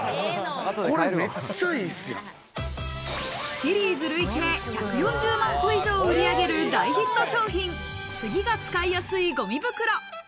シリーズ累計１４０万個以上を売り上げる大ヒット商品、次が使いやすいゴミ袋。